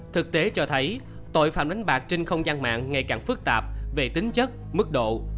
thực tế cho thấy tội phạm đánh bạc trên không gian mạng ngày càng phức tạp về tính chất mức độ